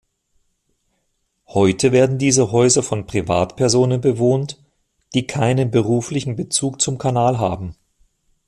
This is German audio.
Heute werden diese Häuser von Privatpersonen bewohnt, die keinen beruflichen Bezug zum Kanal haben.